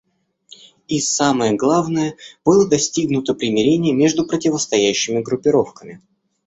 И, самое главное, было достигнуто примирение между противостоящими группировками.